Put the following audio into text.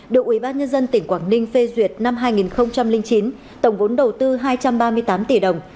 được ubnd tỉnh quảng ninh phê duyệt năm hai nghìn chín tổng vốn đầu tư hai trăm ba mươi tám tỷ đồng